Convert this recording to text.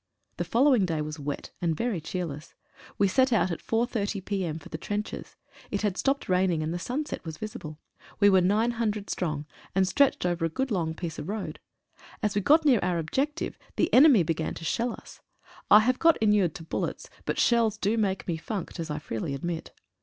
The following day was wet, and very cheerless. We set out at 4.30 p.m. for the trenches. It had stopped raining, and the sunset was visible. We were 900 strong, and stretched over a good long piece of road. As we got near our objective the enemy began to shell us. I have got inured to bullets, but shells do make me funked, as I freely admit.